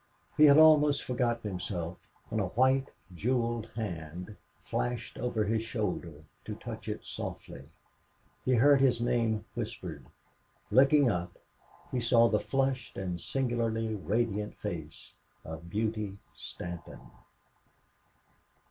He had almost forgotten himself when a white, jeweled hand flashed over his shoulder, to touch it softly. He heard his name whispered. Looking up, he saw the flushed and singularly radiant face of Beauty Stanton.